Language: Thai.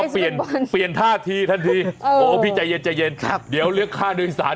ปักเปลี่ยนท่าทีทันทีพี่ใจเย็นเดี๋ยวเรียกค่าโดยศาสตร์